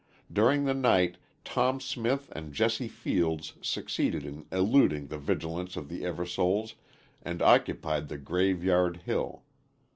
During the night Tom Smith and Jesse Fields succeeded in eluding the vigilance of the Eversoles and occupied the Graveyard Hill.